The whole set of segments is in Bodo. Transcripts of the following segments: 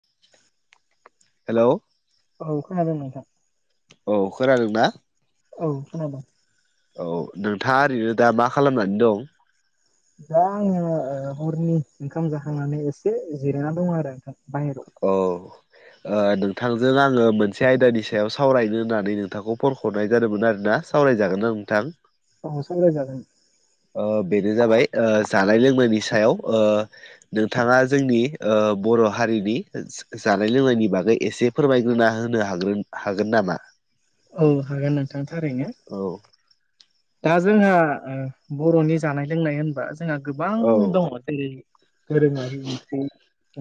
[inaudible] हेलौ औ खोनादों नोंथां औ खोनादोंना औ खोनादों औ नोंथाङा ओरैनो दा मा खालामनानै दं दा आङो हरनि ओंखाम जाखांनानै एसे जिरायना दं आरो ओथां बाहेरायाव औ नोंथांजों आङो मोनसे आयदानि सायाव सावरायनो होननानै नोंथांखौ फन हरनाय जादोंमोन आर ना सावरायजागोन आं नोंथां औ सावराय जागोन बेनो जाबाय जानाय लोंनायनि सायाव ओ नोंथाङा जोंनि बर' हारिनि जानाय लोंनायनि बागै एसे फोरमायग्रोना होनो ह्रोन हागोन नामा औ हागोन नोंथां थारैनो औ दा जोंहा बर'नि जानाय लोंनाय होनबा जोंहा गोबां औ दङ जेरै दोरोङारि ओंख्रि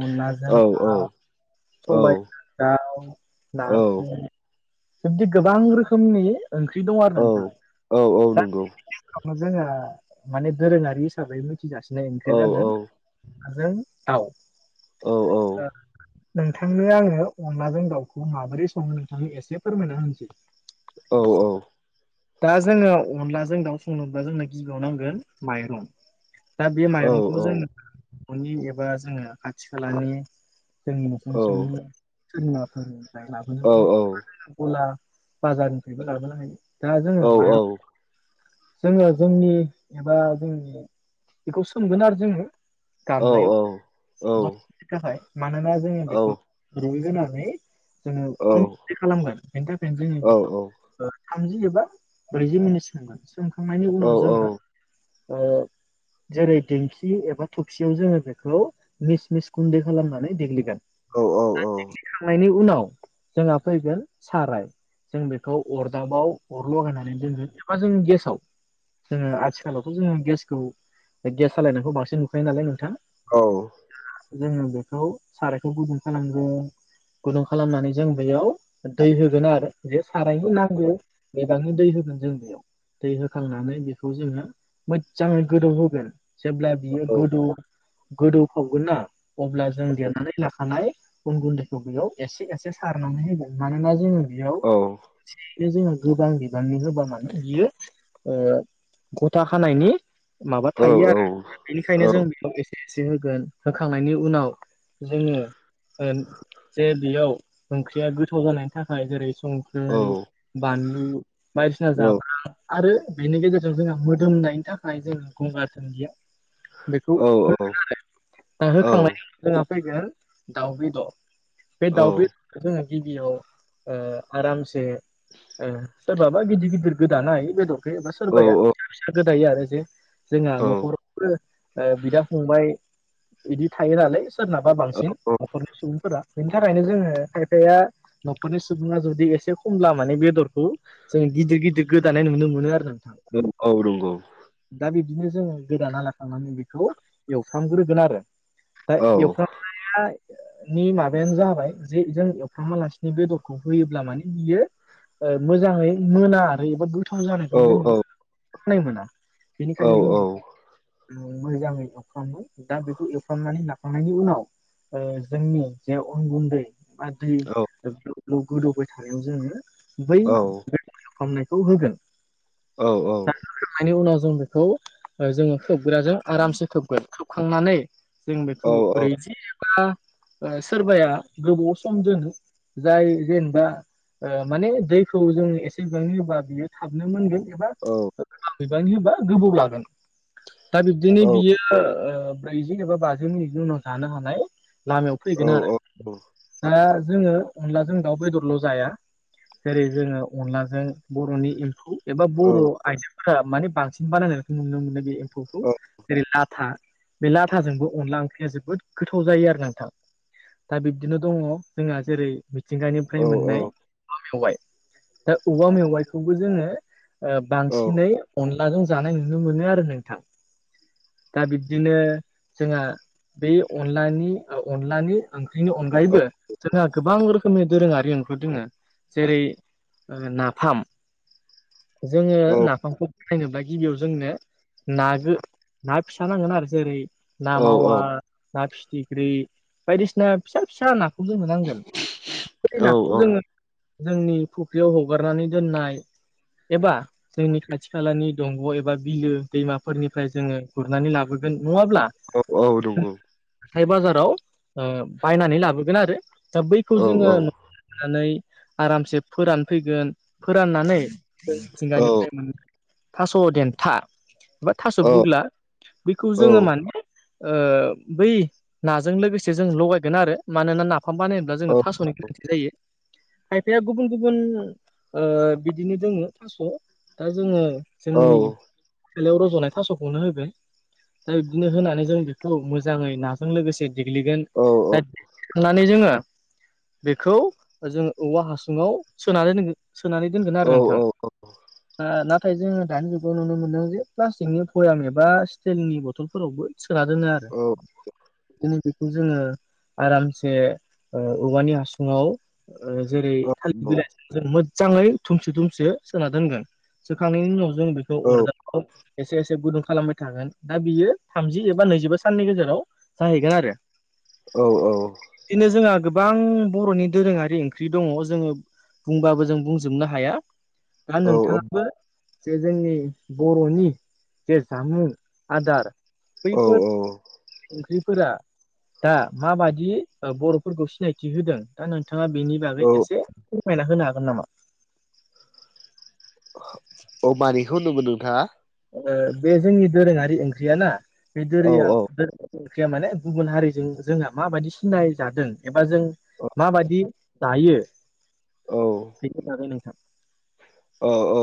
अनलाजों औ औ हा औ सबायाइ दा औ नारसि बिबदि गोबां रोखोमनि ओंख्रि दं आरो औ ना नोंथां औ औ नंगौ जोङो माने दोरोङारि हिसाबै मिथिजासिनो ओंख्रिया औ जादों औ आरो‌ दाउ औ औ [unintelligible] नोंथांनो आङो अनलाजों दाउखौ माबोरै सङो नोंथांनो एसे फोरमायना होनसै औ औ दा जोङो अनलाजों दाउ संनोब्ला जोंनो गिबियाव नांगोन माइरं दा बे औ माइरंखौबो औ जोङो न'नि एबा जोङो खाथि खालानि जों औ न'सुं सेनि सोरनिबाफोरनिफ्राय लाबोनोबो औ हायो अला बाजारनिफ्रायबो लाबोनो हायो दा जोङो औ औ माइरं जोङो जोंनि एबा जोंनि बेखौ सोमगोन आरो जोङो गामलायाव दसे समनि थाखाय मानोना जोङो बेखौ रुइग्रोनानै जोङो अन गुनदै खालामगोन बेनि थाखायनो जोङो बेखौ थामजि एबा ब्रैजि मिनिट सोंगोन सोमखांनायनि उनाव जोङो जेरै दिंखि एबा थबसियाव जोङो बेखौ मिस मिस गुन्दै खालामनानै देग्लिगोन देग्लि खांनायनि उनाव जोंहा फैगोन साराय जों बेखौ अरदाबाव अर लगायनानै दोनो एबा जोंङो गेस जोङो आथिखालावथ' जोङो गेसखौ गेस सालायनायखौ बांसिन नुखायो नालाय नोंथां औ जोङो बेखौ सारायखौ गुदुं खालामगोन गुदुं खालामनानै जों बेयाव दै होगोन आरो। जे सारायनो नांगौ बिबाङैनो दै होगोन जों बेयाव। दै होखांनानै बेखौ जोङो मोजाङै गोदौ होगोन जेब्ला बियो गोदौ गोदौ खावगोन ना अब्ला जों देनानै लाखानाय अन गुन्दैखौ बेयाव एसे एसे सारनानै होगोन मानोना जोङो बेयाव औ बे जोंहा गोबां बिबाननि होबा माने बियो गथा खानायनि माबा थायो आरो बेनिखायनो जों बेखौ एसे से होगोन होखांनायनि उनाव जोङो जे बेयाव ओंख्रिया गोथाव जानायनि थाखाय जेरै संख्रि बानलु बायदिसिना जाब्रां आरो बेनि गेजेरजों जोंहा मोदोमनायनि थाखाय जों गंगार दुनदिया बेखौ औ होगोन आरो होखांनायनि उनाव जोंहा फैगोन दाउ बेदर बे औ दाउदखौ जोङो गिबियाव आरामसे सोरबाबा गिदिर गिदिर गोदानो हायो बेदरखै एबा सोरबाया गोदायो आरो जे जोंहा न'खराव बिदा फंबाय बिदि थायो नालाय सोरनाबा बांसिन न'खरनि सुबुंफोरा बेनि थाखायनो जोङो खायफाया न'खरनि सुबुङा जुदि एसे खमब्ला माने बेदरखौ जों गिदिर गिदिर गोदानाय नुनो मोनो आरो नोंथां औ औ नंगौ दा बिदिनो जोङो गोदानाा थांनानै बेखौ एवफ्रामग्रोगोन आरो। दा एवफ्रामनाया नि माबायानो जाबाय जे जों एफाम आलासिनि बेदरखौ होयोब्ला माने बियो। मोजाङै मोना आरो एबा गोथाव जानायखौ जोङो खाय मोना बेनिखायनो जोंबोथ' मोजाङै एवफ्रामो दा बेखौ एवफ्रामनानै लाखांनायनि उनाव जोंनि जे उन गुन्दै दै गोदौबाय थानायाव जोङो बै खालामनायखौ होगोन औ औ। खोबनायनि उनाव जों बेखौ जोङो खोबग्राजों आरामसे खोबगोन खोबखांनानै जों बेखौ ब्रैजि एबा सोरबाया गोबाव सम दोनो जाय जेनेबा माने दैखौ जों एसे बिबांनि होबा बियो हाबनो मोनगोन एबा औ बिबां होबा गोबाव लागोन दा बिब्दिनो बियो ब्रैजि एबा बाजि मिनिटनि उनाव जानो हानाय लामायाव फैगोन आरो दा जोङो अनलाजों दाउ बेदरल' जाया जेरै जोङो अनलाजों बर'नि एम्फौ एबा बर' आइजोफोरा माने बांसिन बानायनायखौ नुनो मोनो बे एम्फौखौ जेरै लाथा बे लाथाजोंबो अनला ओंख्रिया जोबोद गोथाव जायो आरो नोंथां। दा बिब्दिनो दङ जोंहा जेरै मिथिंगानिफ्राय मोननाय औवा मेवाइ दा औवा मेवाइखौबो जोङो बांसिनै अनलाजों जानाय नुनो मोनो आरो नोंथां दा बिब्दिनो जोंहा बै अनलानि अनलानि ओंख्रिनि अनगायैबो जोंहा गोबां रोखोम रोखोमनि दोरोङारि ओंख्रिफोर दोङो जेरै नाफाम जोङो नाफामखौ जेनेबा गिबियाव जोंनो ना गो ना फिसा नांगोन आरो जेरै ना मावा ना फिथिख्रि बायदिसिना फिसा फिसा नाखौ खौ जोंनो नांगोन औ औ नाखौ औ जोङो जोंनि फुख्रियाव हगारनानै दोननाय एबा जोंनि खाथि खालानि दंग' एबा बिलो दैमाफोरनिफ्राय जोङो गुरनानै लाबोगोन नङाब्ला औ औ नंगौ हाथाय बाजाराव बायनानै लाबोगोन आरो दा बैखौ औ औ जोङो आरामसे फोरानफैगोन फोराननानै मिथिंगानि थास' देन्था एबा थास' औ बुग्ला बेखौ जोङो माने बै नाजों लोगोसे जों लगायगोन आरो मानोना नाफाम बानाय दा जों थास'नि गोनांथि जायो खायफाया गुबुन गुबुन बिदिनो दोङो थास' दा जोङो जोंनि बेलायाव रज'नाय थास'खौनो होगोन दा बिदिनो होनानै जों बेखौ मोजाङै नाजों लोगोसे देग्लिगोन औ औ होननानै जोङो बेखौ जोङो औवा हासुङाव सोनानै दोन सोनानै दोनगोन आरो नोंथाङा नाथाय जोङो दानि जुगाव नुनो मोनदों जे प्लास्टिकनि भयाम एबा स्टिलनि बथलफोरावबो सोना दोनो आरो बिदिनो बेखौ जोङो आरामसे औवानि हासुङाव ओ जेरै थालिर बिलाइजों जों मोजाङै थुमसो थुमसो सोना दोनगोन सोखांनायनि उनाव जों बेखौ अरदाबाव एसे एसे गुदुं खालामबाय थागोन दा बियो थामजि एबा नैजिबा साननि गेजेराव जाहैगोन आरो औ औ बिदिनो जोंहा गोबां बर'नि दोरोङारि ओंख्रि दङ जोङो बुंबाबो जों बुं जोबनो हाया दा नोंथाङाबो जे जोंनि बर'नि जे जामुं आदार बैफोर ओंख्रिफोरा दा माबादि बर'फोरखौ सिनायथि होदों दा नोंथाङा बेनि बागै औ एसे फोरमायना होनो हागोन नामा अ मानिखौ होनदोंमोन नोंथाङा बे जोंनि दोरोङारि ओंख्रियाना बे औ दोरिया औ ओंख्रिया माने गुबुन हारिजों जोंहा माबायदि सिनाय जादों एबा जों माबायदि जायो औ औ फैनो थाखाय नों औ औ ओ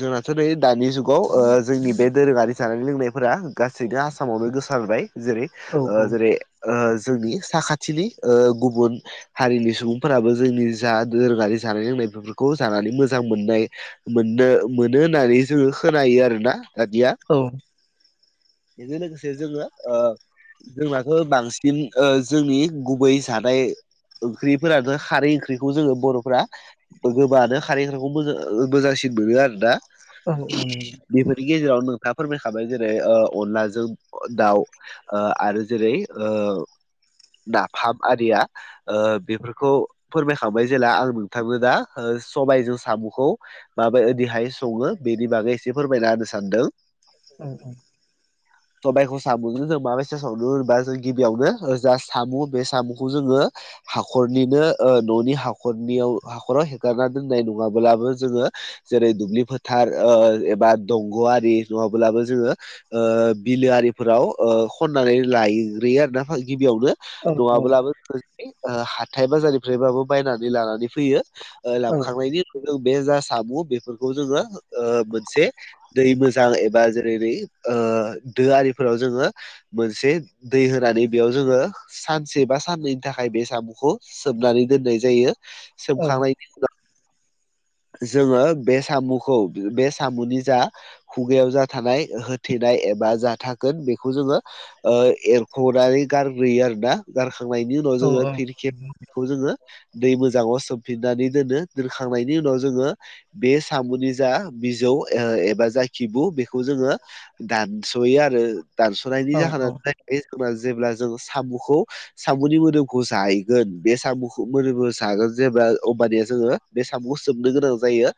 जोंनाथ' नै दानि जुगाव ओ जोंनि बे दोरोङारि जानाय लोंनायफोरा गासैबो आसामावनो गोसारबाय जेरै औ ओ औ जेरै ओ जोंनि साखाथिनि ओ गुबुन हारिनि सुबुंफोराबो जोंनि जा दोरोङारि जानाय लोंनाय बेफोरखौ जानानै मोजां मोजां मोननाय मोननो मोनो होननानै जोङो खोनायो आरो ना दानिया औ बेजों लोगोसे जोङो ओ जोंनाथ' बांसिन ओ जोंनि गुबै जानाय ओंख्रिफोरानो खारै ओंख्रिखौ जोङो बर'फोरा्रा गोबाङानो खारेंग्राखौोजां मोजांसिन मोनो आरोना। औ औ नंगौ बेफोरनि गेजेराव नोंथाङा फोरमायखाबाय जेरै ओ अनलाजों दाउ। ओ आरो जेरै नाफाम आरिया ओ बेफोरखौ फोरमायखांबाय जेला आं नोंथांनो दा सबायजों साम'खौ माबाय ओरैहाय सङो बेनि बागै एसे फोरमायना होनो सानदों। [inaudible] सबायाइखौ साम'जों जों मा मसेज हावनो होनबा जों गिबियावनो ओजा साम' बे साम'खौ जोङो हाखरनिनो ओ न'नि हाखरनियाव हाखराव हेगारनानै दोननाय नङाब्लाबो जोङो जेरै दुब्लि फोथार ओ एबा दंग'आि नङाब्लाबो जोङो ओ बिलो आरिफोराव खन्नानै लायग्रोयो आर ना गिबियावनो नङाब्लाबो हाथथाय बाजारनिफ्रायबाबो बायनानै लानानै फैयो औ खांनायनि उनाव जों बे जा सामु बेफोरखौ जोङो ओ मोनसे दै मोजां एबा जेरै न दो आरिफोराव जोङो मोनसे दै होनानै बेयाव जोङो सानसे बा साननैनि थाखाय बे साम'खौ सोमनानै दोननाय जायो सोमखांनायनि उनाव जोङो बे साम'खौ बे साम'नि जा खुगायाव जा थानाय होथेनाय एबा जााथागोन बेखौ जोङो ओ एरख'नानै गारग्रोयो आरोोना गारखांनायनि उनाव औ जोङो फि ब बेखौ जोङो दै मोजाङाव सोमफिननानै दोनो दोनखांनायनि उनाव जोङो बे साम'नि जा बिजौ एबा जा खिबु बेखौ जोङो दानस'यो आरो दानस'नायनि औ जाहोनानो जाहैबाय जोंना जेब्ला जों साम'खौ साम'नि मोदोमखौ जाहैगोन बे साम'खौ मोदोमखौ जागोन जेब्ला अबानिया जोङो बे साम'खौ सोबनो गोनां जायो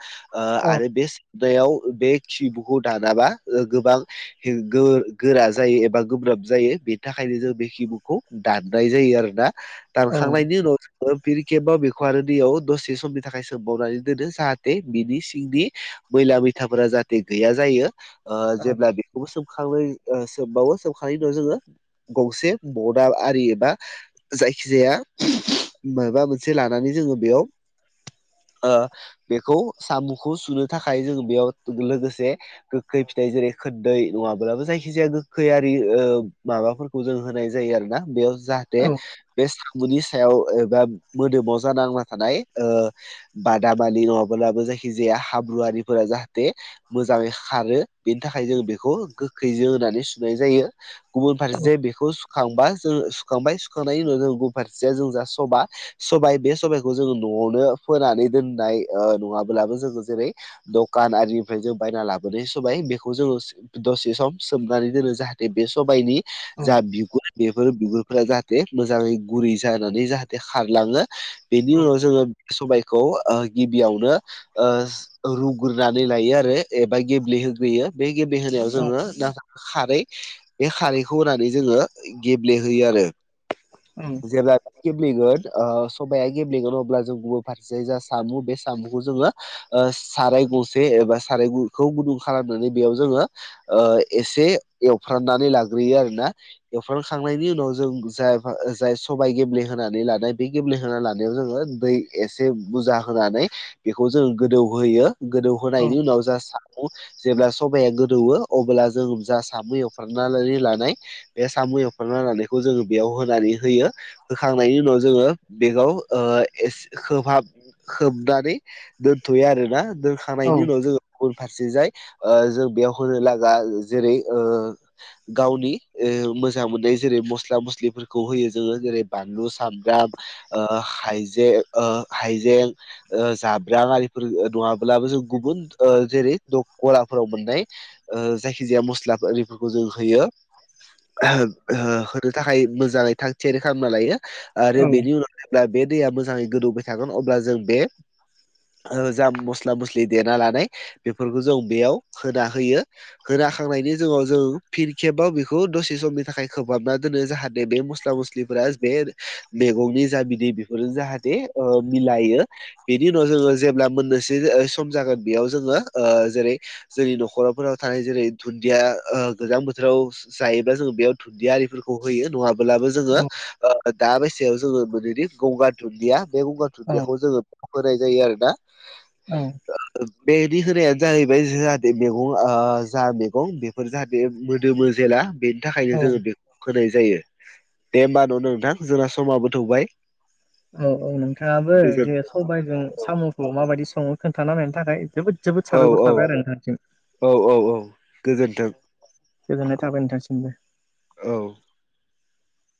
ओ औ आरो बे याव बे खिबुखौ दानाबा ओ गोबां गोरा जायो एबा गोब्राब जायो बेनि थाखायनो जों बे खिबुखौ दाननाय जायो आरो ना। औ दानखांनायनि उनाव जोङो प केम्ाव बेखौ आरो दैयाव दसे समनि थाखाय सोमबावनानै दोनो जाहाथे बिनि सिंनि मैला मैथाफोरा जाहाथे गैया जायो। ओ जेब्ला बेखौबो सोमखां सोमबावो सोमखांनायनि उनाव जोङो गंसे बदाब आरि एबा जायखिजाया माबा मोनसे लानानै जोङो बेयाव ओ बेखौ साम'खौ सुनो थाखाय जोंङ बेयाव लोगोसे गोखै फिथाइ जेरै खोरदै नङाब्लाबो जायखि जाया गोखैयारि माबा खौ जों होनाय जायो आरोोना बेयाव जा जे औ बे सामुनि सायाव एबा मोदोमाव जानांना थानाय ओ बादाामानि नङाब्लाबो जायखिजाया हाब्रुवारिफोरा जाहाथे मोजाङै खारो बेनि थाखाय जों बेखौ गोखैजों होननानै सुनाय जायो। गुबुन फारसे बेखौ सुखांबा जों सुखांबाय सुखांनायनि उनाव जों गुबुन फारसेया जों जा सबा सबाय बे सबायखौ जोङो न'आवनो फोनानै दोननाय नङाब्लाबो जोङो जेरै दखान आरिनिफ्राय जों बायना लाबोनाय साय बेखौ जोङो दसे सम सोमनानै दोनो जाहाथे बे सबाइनि जा बिगुर बेफोर बिगुरफोरा जाहाथे मोजाङै गुरै जानानै जाहाथे खारलाङो औ बेनि उनाव जोङो सबाइखौ गिबियावनो रुग्रोनानै लायो आरो एबा गेब्लेहोग्रोयो। बे गेबि होनायाव जोङो ना खारै बे खारैखौ होनानै जोङो गेब्लेहोयो आरो। औ। जेब्ला गेब्लेगोन समाया गेब्लेगोन अब्ला जों फारसेै जा साम' बे साम'खौ जोङो साराय गंसे एबा सारायखौ गुदुं खालामनानै बेयाव जोङो एसे एवफ्रामनानै लाग्रोयो आरो ना। एवफखांनायनि उनाव जों जाय जाय सबायाइ गेब्ले होनानै लानाय बे गेब्लेहोना लानायाव जोङो दै एसे बुरजा होनानै बेखौ जोंङ गोदौहोयो औ गोदौहोनायनि उनाव जा जेब्ला सबाया गोदौ अब्ला जों जा सा मैयावफ्रनानैनानै लानाय। बे साम' एवफ लानायखौ जोङो बेयाव होनानै होयो। होखांनायनि उनाव जोङो बेगाव हाब होबनानै दोनथ'यो आरोना दोनखांनायनि उनाव जोङो। गुबुन फारसे जाय जों बेयाव होनो लागा जेरै गावनि मोजां मोननाय जेरै मस्ला मस्लिफोरखौ होयो जोङो जेरै बानलु सामब्राम आ हाइजे हाइजें जाब्रांफोर नङाब्लाबो जों गुबुन जेरै दखलाफोराव मोननाय। जायखि जाया मस्ला आरिफोरखौ जों होयो। होनो थाखाय मोजाङै थाग थियारि खालामना लायो। आरो बेनि उनाव जेब्ला बे दैया मोजाङै गोदौबाय थागोन अब्ला जों बे जाम मस्ला मस्लि देना लानाय बेफोरखौ जों बेयाव होना होयो। होनाखांनायनि जउनाव जों फिन खेबाव बेखौ दसे समनि थाखाय खोबहाबना दोनो जाहाथे बे मस्ला मस्लि बे मैगंनि जामिनि बेफोरजों जाहाथे मिलायो। बेनि उनाव जोङो जेब्ला मोनननोसै सम जागोन बेयाव जोङो जेरै जोंनि न'खराफोराव थानाय जेरै दुन्दिया गोजां बोथोराव जायोब्लाा जो बेयाव दुन्दि आरिफोरखौ होयो नङाब्लाबो जोङो दा बैसायाव जोङो। गंगार दुन्दिया बे गंगार दुदियाखौ जोङो होनाय जायो आरो ना औ। [inaudible] बेनि होनायानो जाहैबाय जाहाथे मैगं जा मैगं बेफोर जाहाथे मोदोमो जेला बे औ थाखायनो जोङो बे होनाय जायो दे होमबा न'नो नोंथां जोंना समा बथौबाय औ औ नोंथाङाबो गोजोन जे सबायजों साम'खौ माबायदि सङो खोन्थाना नायनि थाखाय जोबोद जोबोद औ साबायखर औ साबाय आरो नोंथांसिम औ औ औ गोजोन्थों। गोजोननाय थाबाय नोंथासिमबो औ।